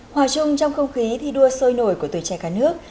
hòa chung trong không khí thi đua sôi nổi của tuổi trẻ cả nước